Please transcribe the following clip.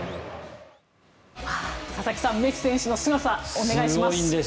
佐々木さんメッシ選手のすごさお願いします。